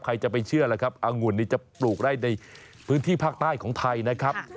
ใครจะไปเชื่อล่ะครับอังุ่นนี่จะปลูกได้ในพื้นที่ภาคใต้ของไทยนะครับ